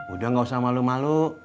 udah gak usah malu malu